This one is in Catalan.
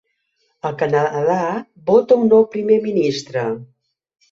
El Canadà vota un nou primer ministre.